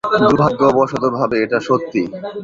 দুর্ভাগ্যবশতভাবে এটা সত্যি।